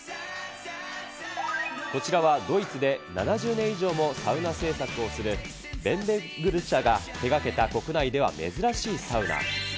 こちらは、ドイツで７０年以上もサウナ製作をするベンベルグ社が手がけた、国内では珍しいサウナ。